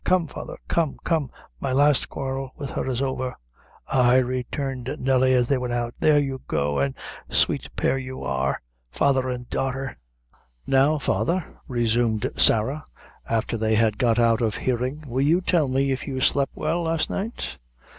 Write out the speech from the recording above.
Come, father, come, come; my last quarrel with her is over." "Ay," returned Nelly, as they went out, "there you go, an' a sweet pair you are father and daughter!" "Now, father," resumed Sarah, after they had got out of hearing, "will you tell me if you slep' well last night?"